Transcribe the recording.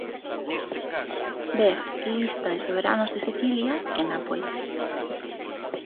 Ver Lista de soberanos de Sicilia e Nápoles